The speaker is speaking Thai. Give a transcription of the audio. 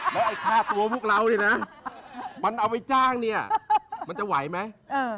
แล้วไอ้ค่าตัวพวกเราเนี่ยนะมันเอาไปจ้างเนี่ยมันจะไหวไหม